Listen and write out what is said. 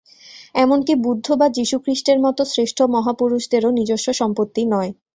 এমন কি বুদ্ধ বা যীশুখ্রীষ্টের মত শ্রেষ্ঠ মহাপুরুষদেরও নিজস্ব সম্পত্তি নয়।